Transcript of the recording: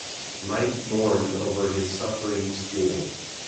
Mike mourned over his suffering school.